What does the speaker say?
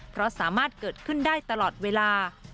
เพราะสามารถเกิดขึ้นได้ตลอดเวลา